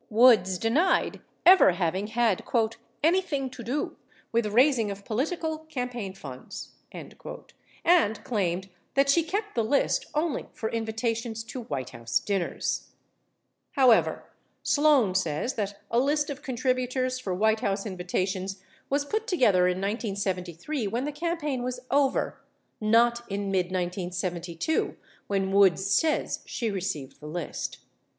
Woods denied ever having had "anything to do with raising of political campaign funds," and claimed that she kept the list only for invita tions to White House dinners. 41 However, Sloan says that a list of contributors for White House invitations Avas put together in 1973 when the campaign Avas over — not in mid 1972 when Woods says she received the list.